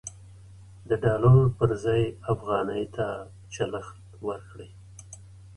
د ډالرو پر ځای افغانۍ چلښت ورکړئ.